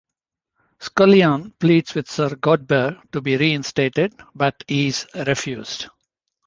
Skullion pleads with Sir Godber to be reinstated, but is refused.